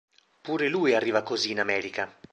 Pure lui arriva così in America.